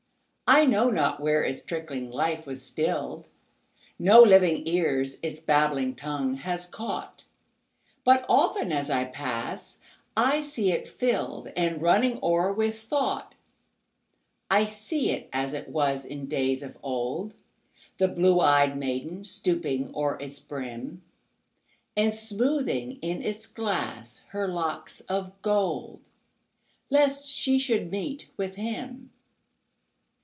I know not where its trickling life was still'd; No living ears its babbling tongue has caught; But often, as I pass, I see it fill'dAnd running o'er with thought.I see it as it was in days of old, The blue ey'd maiden stooping o'er its brim, And smoothing in its glass her locks of gold, Lest she should meet with him.